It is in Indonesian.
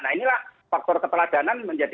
nah inilah faktor keteladanan